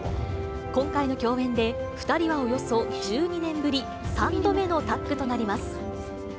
今回の共演で、２人はおよそ１２年ぶり、３度目のタッグとなります。